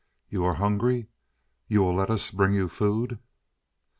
You are hungry. You will let us bring you food."